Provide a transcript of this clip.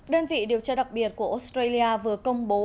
đơn vị điều tra đặc biệt của australia vừa công bố